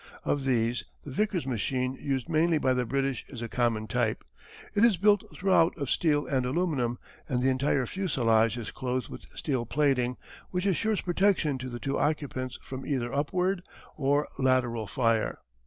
Of these the Vickers machine used mainly by the British is a common type. It is built throughout of steel and aluminum, and the entire fusillage is clothed with steel plating which assures protection to the two occupants from either upward or lateral fire.